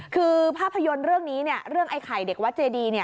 คือภาพยนตร์เรื่องนี้เนี่ยเรื่องไอไข่เด็กวัดเจดีเนี่ย